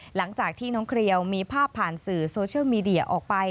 หลังจากที่น้องเครียวมีภาพผ่านสื่อโซเชียลมีเดียออกไป